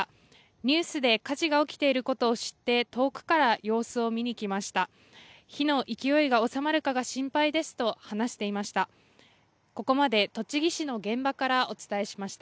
ニュースで火事が起きていることを知って遠くから様子を見に来ました。